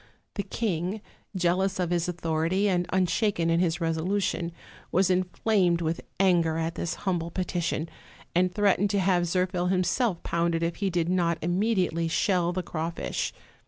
The king, jealous of his authority, and unshaken in his resolution, was inflamed with anger at this humble petition; and threatened to have Zirphil him self pounded if he did not immediately shell the craw fish.